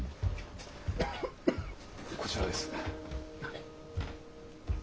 こちらです。